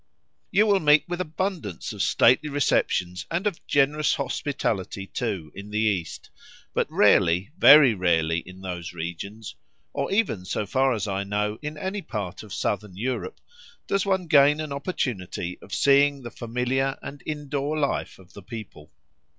You will meet with abundance of stately receptions and of generous hospitality, too, in the East, but rarely, very rarely in those regions (or even, so far as I know, in any part of southern Europe) does one gain an opportunity of seeing the familiar and indoor life of the people.